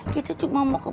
kita cuma mau ke pasangnya